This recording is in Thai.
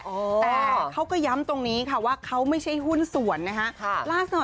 แต่เขาก็ย้ำตรงนี้ค่ะว่าเขาไม่ใช่หุ้นส่วนนะฮะ